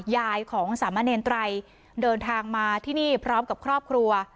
ยายของสามะเนรไตรเดินทางมาที่นี่พร้อมกับครอบครัว